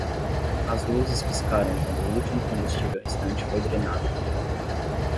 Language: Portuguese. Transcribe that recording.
As luzes piscaram quando o último combustível restante foi drenado do gerador.